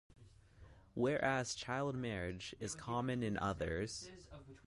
Where as child marriage is common in others.